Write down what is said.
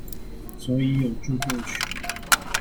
所以有著作權